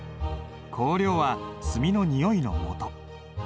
香料は墨のにおいのもと。